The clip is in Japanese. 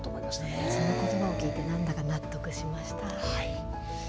そのことばを聞いてなんだか納得しました。